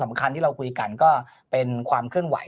ที่เราคุยกันก็เป็นความเคลื่อนไหว